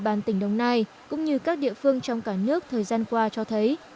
các địa bàn tỉnh đồng nai cũng như các địa phương trong cả nước thời gian qua cho thấy